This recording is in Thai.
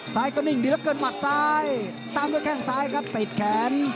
ซ้ายก็นิ่งดีเหลือเกินหมัดซ้ายตามด้วยแข้งซ้ายครับติดแขน